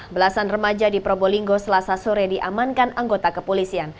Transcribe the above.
belasan remaja di probolinggo selasa sore diamankan anggota kepolisian